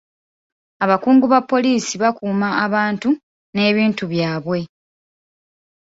Abakungu ba poliisi bakuuma abantu n'ebintu byabwe.